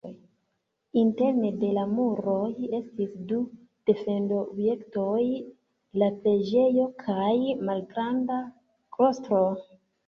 Interne de la muroj estis du defend-objektoj: la preĝejo kaj malgranda klostro.